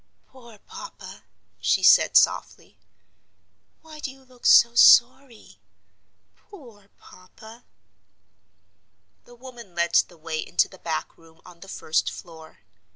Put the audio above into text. "Poor papa!" she said, softly. "Why do you look so sorry? Poor papa!" The woman led the way into the back room on the first floor.